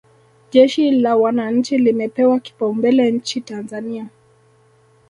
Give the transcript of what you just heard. jeshi la wananchi limepewa kipaumbele nchi tanzania